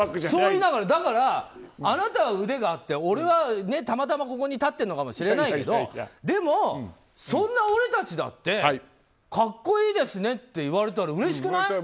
でも、あなたは腕があって俺はたまたま、ここに立っているのかもしれないけどでも、そんな俺たちだって格好いいですねって言われたらうれしくない？